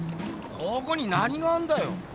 ここに何があんだよ？